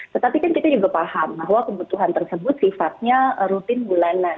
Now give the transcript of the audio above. tetapi kan kita juga paham bahwa kebutuhan tersebut sifatnya rutin bulanan